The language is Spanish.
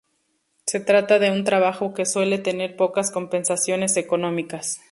Se trata de un trabajo que suele tener pocas compensaciones económicas.